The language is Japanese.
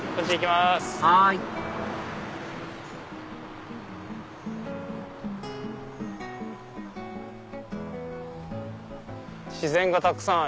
はい自然がたくさん！